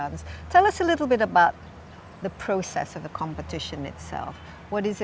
beritahukan kami sedikit tentang proses pertempuran itu sendiri